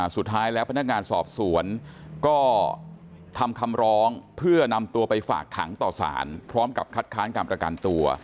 สุดท้ายแล้วพนักงานสอบสวนก็ทำคำร้องเพื่อนำตัวไปฝากขังต่อสารพร้อมกับคัดค้านการประกันตัว